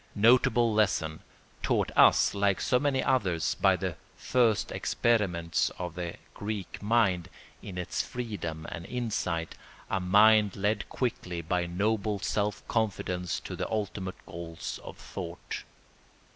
Notable lesson, taught us like so many others by the first experiments of the Greek mind, in its freedom and insight, a mind led quickly by noble self confidence to the ultimate goals of thought.